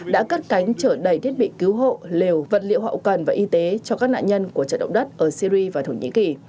đã cất cánh trở đầy thiết bị cứu hộ liều vật liệu hậu cần và y tế cho các nạn nhân của trận động đất ở syri và thổ nhĩ kỳ